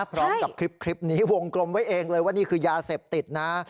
พร้อมกับคลิปนี้วงกลมไว้เองเลยว่านี่คือยาเสพติดนะ